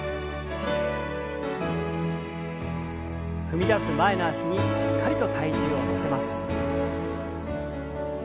踏み出す前の脚にしっかりと体重を乗せます。